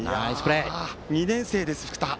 ２年生です、福田。